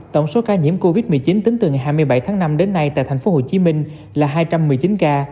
tổng số ca nhiễm covid một mươi chín tính từ ngày hai mươi bảy tháng năm đến nay tại tp hcm là hai trăm một mươi chín ca